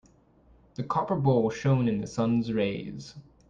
The copper bowl shone in the sun's rays.